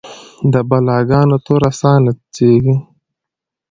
د بلا ګانو توره ساه نڅیږې